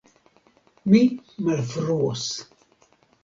mi malfruos!